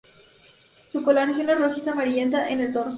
Su coloración es rojiza amarillenta en el dorso.